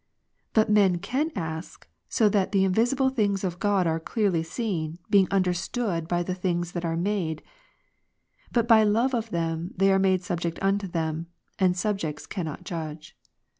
But men can ask, so that the invisible things of Rom. 1, God are clearly seen, being understood by the things that are ^^/ A made ; but by love of thenij they are made subject unto { them: and sul)jects cannot judge.